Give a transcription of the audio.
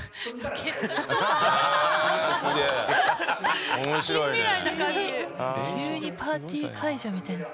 急にパーティー会場みたいな。